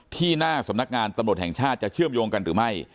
ที่หน้าสำนักงานตำรวจแห่งชาติจะเชื่อมโยงกันหรือไม่